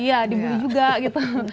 iya dibuli juga gitu